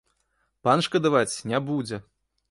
Пан шкадаваць не будзе!